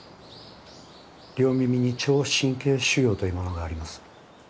両耳に聴神経腫瘍というものがあります